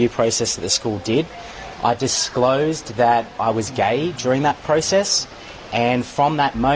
proses pembentangan di sekolah itu